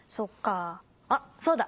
あっそうだ。